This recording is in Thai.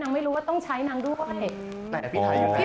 น้องไม่รู้ว่าต้องใช้น้องด้วย